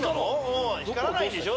うん光らないんでしょ？